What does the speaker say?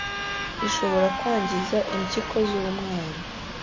ishobora kwangiza impyiko z’umwana